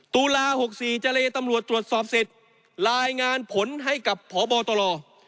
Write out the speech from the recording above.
ตุลา๖๔เจรตำรวจตรวจสอบเสร็จรายงานผลให้กับพบตร